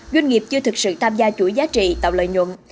doanh nghiệp chưa thực sự tham gia chuỗi giá trị tạo lợi nhuận